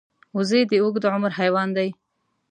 وزې د اوږد عمر حیوان دی